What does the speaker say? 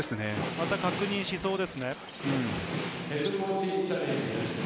また確認しそうですね。